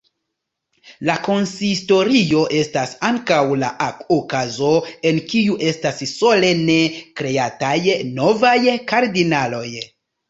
La konsistorio estas ankaŭ la okazo en kiu estas solene "kreataj" novaj kardinaloj.